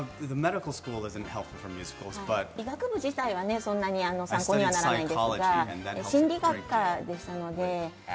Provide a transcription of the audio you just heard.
医学部自体はそんなに参考にはならないんですが、心理学科でしたので。